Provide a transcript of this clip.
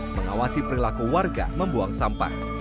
mengawasi perilaku warga membuang sampah